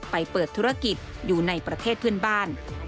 เปิดธุรกิจอยู่ในประเทศเพื่อนบ้าน